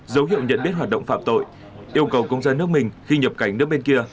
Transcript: dấu hiệu nhận biết hoạt động phạm tội yêu cầu công dân nước mình khi nhập cảnh nước bên kia